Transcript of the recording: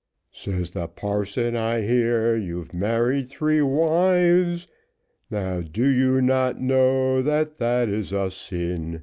Says the parson, I hear you've married three wives, Now do you not know, that that is a sin?